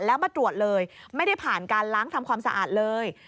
แล้วมาตรวจเลยไม่ได้ผ่านการล้างทำความสะอาดเลย